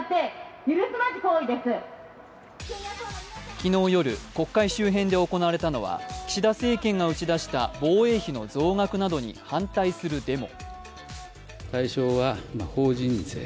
昨日夜国会周辺で行われたのは岸田政権が打ち出した防衛費の増額などに反対するデモ。